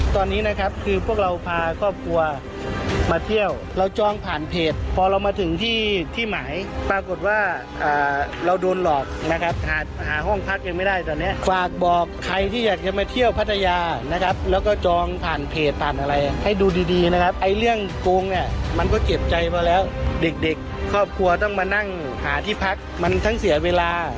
ตอนนี้นะครับคือพวกเราพาครอบครัวมาเที่ยวเราจองผ่านเพจพอเรามาถึงที่ที่หมายปรากฏว่าเราโดนหลอกนะครับหาห้องพักยังไม่ได้ตอนนี้ฝากบอกใครที่อยากจะมาเที่ยวพัทยานะครับแล้วก็จองผ่านเพจผ่านอะไรให้ดูดีดีนะครับไอ้เรื่องโกงเนี่ยมันก็เจ็บใจพอแล้วเด็กเด็กครอบครัวต้องมานั่งหาที่พักมันทั้งเสียเวลา